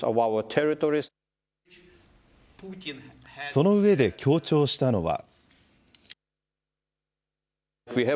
その上で強調したのは。